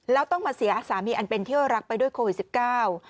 แล้วต้องมาเสียสามีอันเป็นเที่ยวรักไปด้วยโควิดสิบเก้า